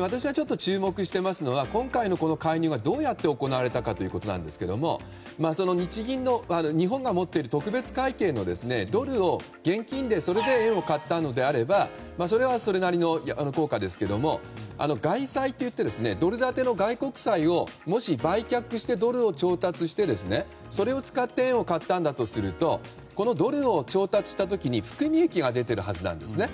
私が注目しているのは今回の介入がどうやって行われたかということですが日本が持っている特別会計のドルを現金にして円を買ったのであればそれはそれなりの効果ですが外債といってドル建ての外国債を売却してドルを調達してそれを使って円を買ったんだとするとドルを調達した時に含み益が出ているはずなんですね。